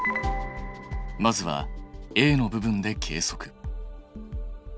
まずはＡの部分で計測。